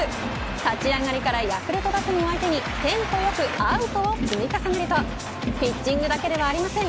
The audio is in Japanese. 立ち上がりからヤクルト打線を相手にテンポ良くアウトを積み重ねるとピッチングだけではありません。